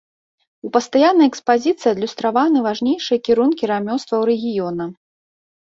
У пастаяннай экспазіцыі адлюстраваны важнейшыя кірункі рамёстваў рэгіёна.